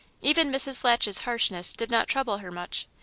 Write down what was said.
Even Mrs. Latch's harshness didn't trouble her much.